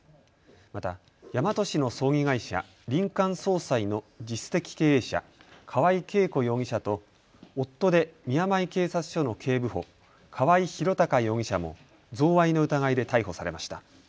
また大和市の葬儀会社、林間葬祭の実質的経営者、河合恵子容疑者と夫で宮前警察署の警部補、河合博貴容疑者も贈賄の疑いで逮捕されました。